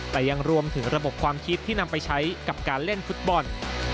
แต่ยังรวมถึงระบบความคิดที่นำไปใช้กับการเล่นฟุตบอล